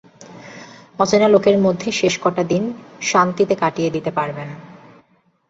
অচেনা লোকের মধ্যে শেষ কটা দিন শাম্ভিতে কাটিয়ে দিতে পারবেন।